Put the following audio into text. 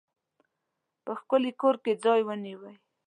په ښکلي کور کې ځای ونیوی.